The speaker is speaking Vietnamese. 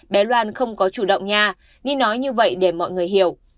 bé loan không có chủ động nha ni nói như vậy để mọi người hiểu